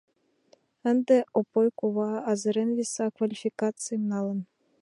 Ынде Опой кува азырен виса «квалификацийым» налын.